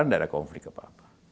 tidak ada konflik apa apa